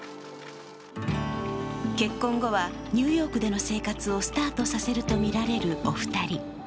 結婚後はニューヨークでの生活をスタートさせるとみられるお二人。